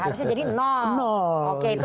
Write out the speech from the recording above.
harusnya jadi nol oke itu